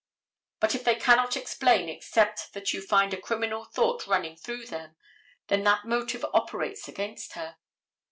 But if they cannot explain except that you find a criminal thought running through them, then that motive operates against her.